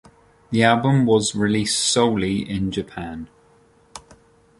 The album was released solely in Japan.